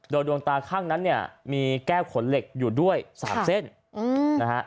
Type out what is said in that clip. โดยดวงตาข้างนั้นเนี่ยมีแก้วขนเหล็กอยู่ด้วย๓เส้นนะฮะ